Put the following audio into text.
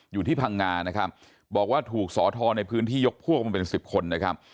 อยู่ที่พังงานะครับบอกว่าถูกสอทรในพื้นที่ยกพวกมาเป็นสิบคนนะครับ